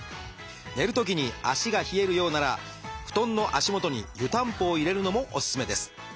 寝るときに足が冷えるようなら布団の足元に湯たんぽを入れるのもおすすめです。